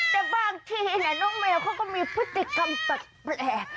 แต่บางทีน้องแมวเขาก็มีพฤติกรรมแปลก